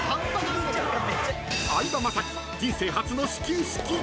相葉雅紀、人生初の始球式。